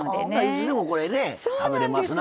いつでもこれね食べれますな。